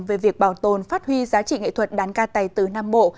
về việc bảo tồn phát huy giá trị nghệ thuật đàn ca tài tứ nam bộ